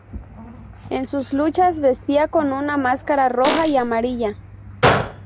En sus luchas vestía con una máscara roja y amarilla.